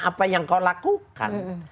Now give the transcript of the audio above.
apa yang kau lakukan